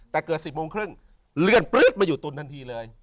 แต่เกิด๑๐โมงครึ่งเลื่อนปลื๊ดมาอยู่ตุนทันทีเลย